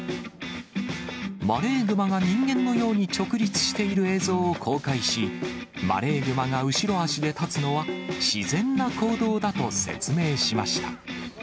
マレーグマが人間のように直立している映像を公開し、マレーグマが後ろ足で立つのは、自然な行動だと説明しました。